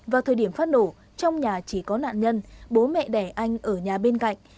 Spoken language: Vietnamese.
vào thời điểm phát nổ trong nhà chỉ có nạn nhân bố mẹ đẻ anh ở nhà bên cạnh